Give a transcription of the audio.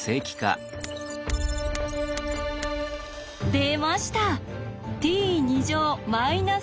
出ました。